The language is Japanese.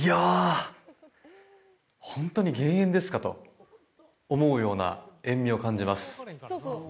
本当に減塩ですかと思うような塩みを感じます。